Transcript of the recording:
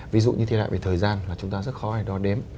ví dụ như thiệt hại về thời gian là chúng ta rất khó để đo đếm